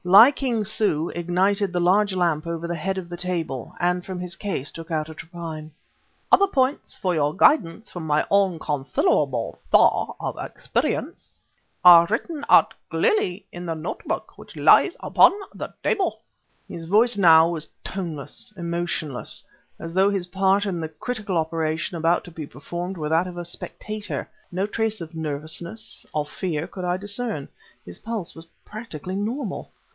Li King Su ignited the large lamp over the head of the table, and from his case took out a trephine. "Other points for your guidance from my own considerable store of experience" Fu Manchu was speaking "are written out clearly in the notebook which lies upon the table...." His voice, now, was toneless, emotionless, as though his part in the critical operation about to be performed were that of a spectator. No trace of nervousness, of fear, could I discern; his pulse was practically normal.